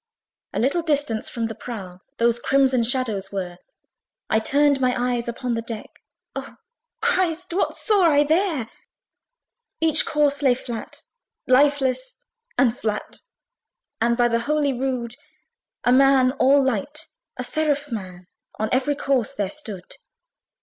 A little distance from the prow Those crimson shadows were: I turned my eyes upon the deck Oh, Christ! what saw I there! Each corse lay flat, lifeless and flat, And, by the holy rood! A man all light, a seraph man, On every corse there stood.